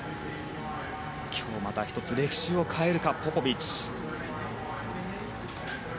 今日、また１つ歴史を変えるかポポビッチ。